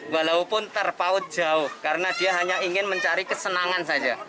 walaupun terpaut jauh karena dia hanya ingin mencari kesenangan saja